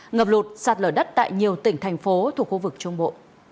ngập lụt sạt lở đất tại nhiều tỉnh thành phố thuộc khu vực trung bộ